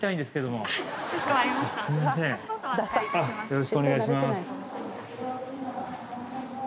よろしくお願いします。